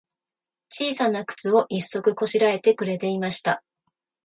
ちいさなくつを、一足こしらえてくれていました。